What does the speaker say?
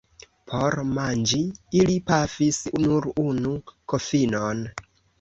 Por manĝi ili pafis nur unu kokinon.